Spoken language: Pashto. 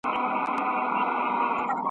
لکه میندي هسي لوڼه لکه ژرندي هسي دوړه ,